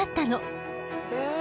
へえ。